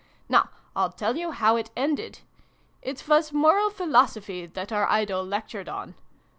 Now I'll tell you how it ended. It was Moral Philosophy that our idol lectured on.